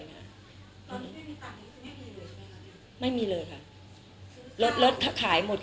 ตอนนี้ไม่มีตังค์ที่จะไม่มีเลยใช่ไหมคะไม่มีเลยค่ะรถรถขายหมด